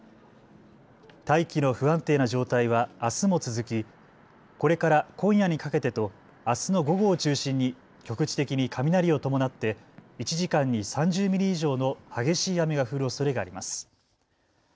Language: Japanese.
大気の不安定な状態はあすも続き、これから今夜にかけてとあすの午後を中心に局地的に雷を伴って１時間に３０ミリ以上の激しい雨が降るおそれがあります。